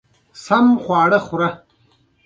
صحي خواړه وخوره .